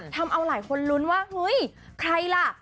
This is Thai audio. ทำเอาหลายคนลุ้นว่าเฮ้ยใครล่ะ